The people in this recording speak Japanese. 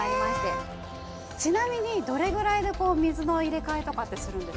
ちなみにどれぐらいで水の入れ替えとかってするんですか？